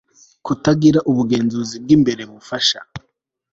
kutagira ubugenzuzi bw imbere bwafasha